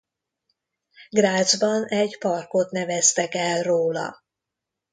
Grazban egy parkot neveztek el róla.